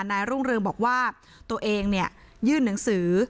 นายรุ่งเรืองบอกว่าตัวเองยื่นหนังสือ